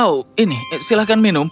oh ini silahkan minum